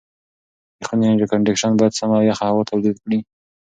د خونې اېرکنډیشن باید سمه او یخه هوا تولید کړي.